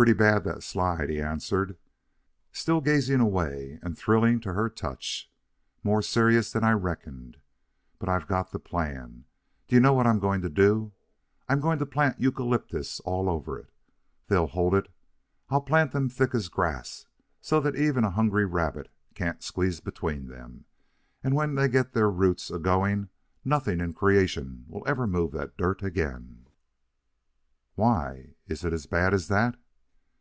"Pretty bad, that slide," he answered, still gazing away and thrilling to her touch. "More serious than I reckoned. But I've got the plan. Do you know what I'm going to do? I'm going to plant eucalyptus all over it. They'll hold it. I'll plant them thick as grass, so that even a hungry rabbit can't squeeze between them; and when they get their roots agoing, nothing in creation will ever move that dirt again." "Why, is it as bad as that?"